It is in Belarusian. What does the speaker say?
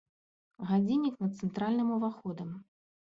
Гадзіннік над цэнтральным уваходам.